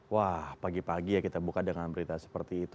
wah pagi pagi ya kita buka dengan berita seperti itu